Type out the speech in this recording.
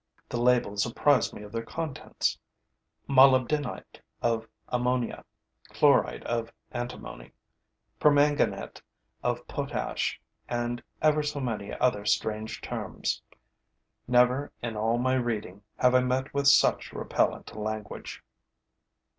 The labels apprise me of their contents: molybdenite of ammonia, chloride of antimony, permanganate of potash and ever so many other strange terms. Never, in all my reading, have I met with such repellent language.